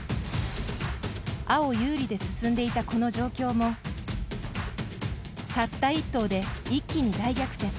青、有利で進んでいたこの状況もたった１投で、一気に大逆転！